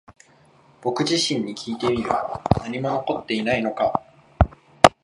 僕自身にきいてみる。何も残っていないのか？